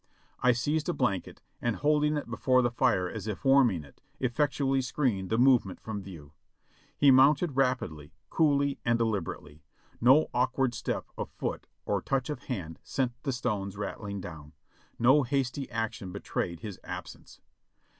I seized a blanket, and holding it before the fire as if warming it, effectually screened the movement from view. He mounted rapidly, coolly and deliberately. No awk ward step of foot or touch of hand sent the stones rattling down, no hasty action betrayed his absence.